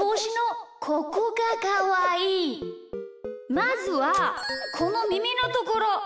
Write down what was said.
まずはこのみみのところ！